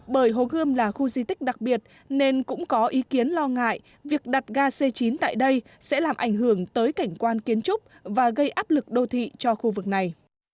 bởi hồ gươm là khu di tích đặc biệt nên cũng có ý kiến lo ngại việc đặt ga c chín tại đây sẽ làm ảnh hưởng tới cảnh quan kiến trúc và gây áp lực đô thị cho khu vực này